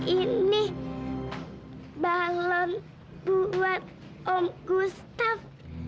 ini balon buat om gustaf